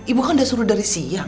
ibu kan dia suruh dari siang